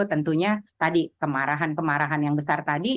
tentunya tadi kemarahan kemarahan yang besar tadi